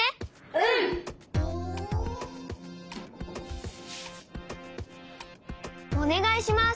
うん！おねがいします！